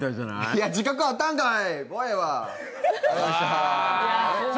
いや、自覚あったんかい！